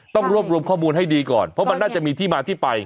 ต้องรวบรวมข้อมูลให้ดีก่อนเพราะมันน่าจะมีที่มาที่ไป